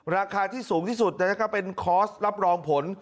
ราคาที่สูงที่สุดเป็นคอร์สรับรองผล